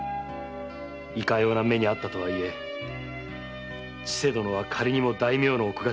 いかような目に遭ったとはいえ千世殿は仮にも大名の奥方。